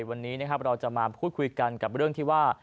วันนี้นะครับเราจะมาพูดคุยกันกับเรื่องที่ว่า